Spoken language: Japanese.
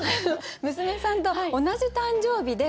娘さんと同じ誕生日で。